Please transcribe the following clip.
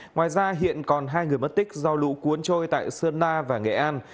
ngoài ra hiện còn hai người mất tích do lũ cuốn trôi tại sơn la và nghệ an